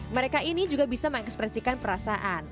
mereka ini juga bisa mengekspresikan perasaan